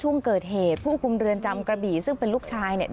ช่วงเกิดเหตุผู้คุมเรือนจำกระบี่ซึ่งเป็นลูกชายเนี่ย